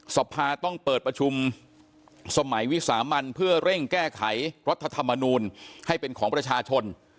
สภาต้องเปิดประชุมสมัยวิสามันเพื่อเร่งแก้ไขรัฐธรรมนูลให้เป็นของประชาชน